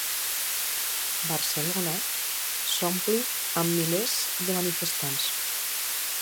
Barcelona s'ompli amb milers de manifestants